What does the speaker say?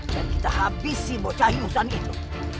dan kita habisi bocah ingusan itu